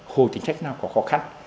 hồ chính sách nào có khó khăn